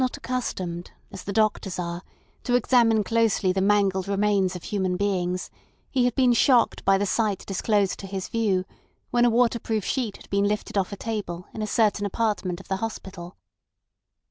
Not accustomed, as the doctors are, to examine closely the mangled remains of human beings, he had been shocked by the sight disclosed to his view when a waterproof sheet had been lifted off a table in a certain apartment of the hospital.